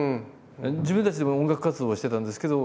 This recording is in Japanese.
自分たちでも音楽活動はしてたんですけど